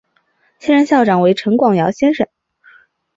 现任校长为陈广尧先生。